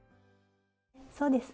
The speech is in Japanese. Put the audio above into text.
そうです。